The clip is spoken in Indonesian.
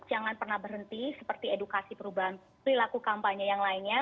jangan pernah berhenti seperti edukasi perubahan perilaku kampanye yang lainnya